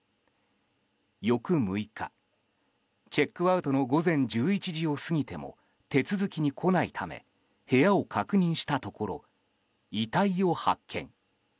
翌６日、チェックアウトの午前１１時を過ぎても手続きに来ないため部屋を確認したところ遺体を発見。